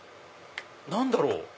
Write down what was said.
何だろう